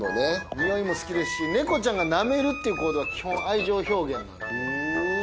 匂いも好きですし猫ちゃんがなめるって行動は基本愛情表現なんで。